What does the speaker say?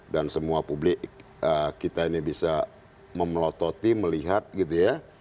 dan semua publik kita ini bisa memelototi melihat gitu ya